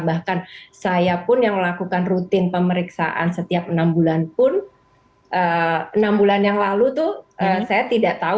bahkan saya pun yang melakukan rutin pemeriksaan setiap enam bulan pun enam bulan yang lalu tuh saya tidak tahu